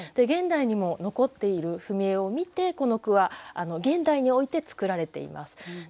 現代にも残っている踏絵を見てこの句は現代において作られています。